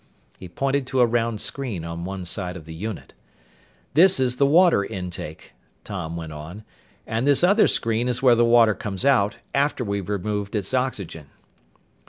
He pointed to a round screen on one side of the unit. "This is the water intake," Tom went on, "and this other screen is where the water comes out after we've removed its oxygen."